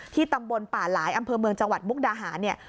ตำบลป่าหลายอำเภอเมืองจังหวัดมุกดาหารเนี่ย